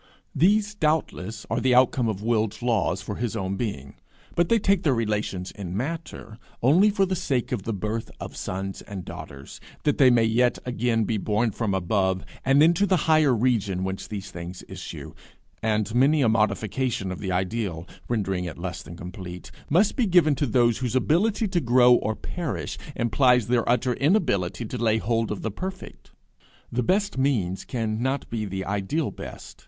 These doubtless are the outcome of willed laws of his own being; but they take their relations in matter only for the sake of the birth of sons and daughters, that they may yet again be born from above, and into the higher region whence these things issue; and many a modification of the ideal, rendering it less than complete, must be given to those whose very doom being to grow or perish implies their utter inability to lay hold of the perfect. The best means cannot be the ideal Best.